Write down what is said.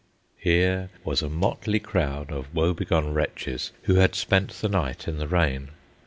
Here was a motley crowd of woebegone wretches who had spent the night in the rain.